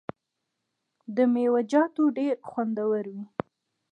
د میوو چاټ ډیر خوندور وي.